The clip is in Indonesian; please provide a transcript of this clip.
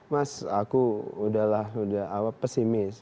mas aku udahlah pesimis